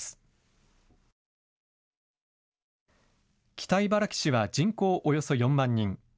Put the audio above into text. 北茨城市は人口およそ４万人。